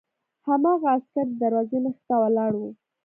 هماغه عسکر د دروازې مخې ته ولاړ و